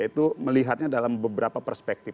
itu melihatnya dalam beberapa perspektif